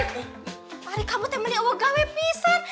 hari kamu temen gue gawe pisang